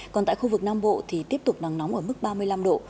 còn tại khu vực nam bộ thì tiếp tục nắng nóng ở mức ba mươi năm độ